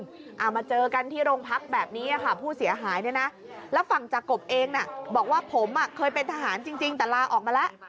เอามาเจอกันที่โรงพักแบบนี้ค่ะผู้เสียหายเนี่ยนะแล้วฝั่งจากกบเองน่ะบอกว่าผมอ่ะเคยเป็นทหารจริงแต่ลาออกมาแล้ว